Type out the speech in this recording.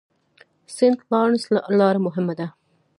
سینټ لارنس لاره مهمه ده.